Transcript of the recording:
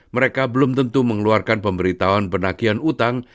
mereka belum tentu mengeluarkan pemberitahuan penakian hutang